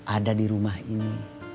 ada di rumah ini